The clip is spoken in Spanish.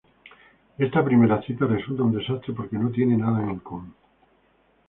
Esta primera cita resulta un desastre porque no tienen nada en común.